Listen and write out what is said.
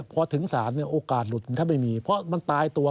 พอถึงศาลโอกาสหลุดแทบไม่มีเพราะมันตายตัว